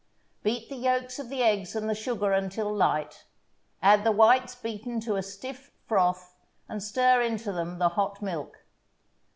Beat the yolks of the eggs and the sugar until light, add the whites beaten to a stiff froth, and stir into them the hot milk.